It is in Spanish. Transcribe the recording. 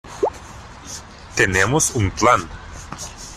tenemos un plan.